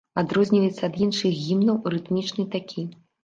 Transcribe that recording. Адрозніваецца ад іншых гімнаў, рытмічны такі.